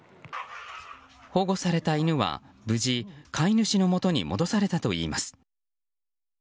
保護された犬は無事飼い主の元に戻されたといいます。